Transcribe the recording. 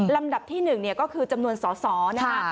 ลำดับที่๑เนี่ยก็คือจำนวนสอนะคะ